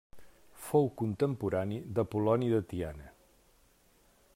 Fou contemporani d'Apol·loni de Tiana.